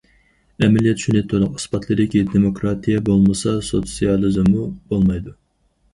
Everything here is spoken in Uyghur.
ئەمەلىيەت شۇنى تولۇق ئىسپاتلىدىكى، دېموكراتىيە بولمىسا، سوتسىيالىزممۇ بولمايدۇ.